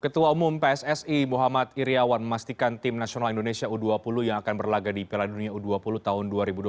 ketua umum pssi muhammad iryawan memastikan tim nasional indonesia u dua puluh yang akan berlaga di piala dunia u dua puluh tahun dua ribu dua puluh tiga